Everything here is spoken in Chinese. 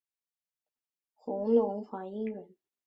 弘农华阴人。